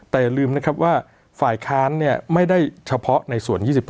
แต่อย่าลืมนะครับว่าฝ่ายค้านไม่ได้เฉพาะในส่วน๒๕